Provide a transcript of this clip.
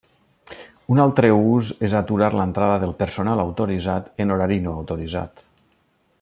Un altre ús és aturar l'entrada del personal autoritzat en horari no autoritzat.